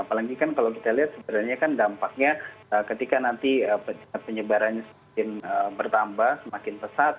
apalagi kan kalau kita lihat sebenarnya kan dampaknya ketika nanti penyebarannya semakin bertambah semakin pesat